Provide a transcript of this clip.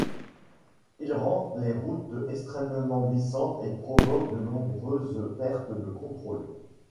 Il rend les routes extrêmement glissantes et provoque de nombreuses pertes de contrôle.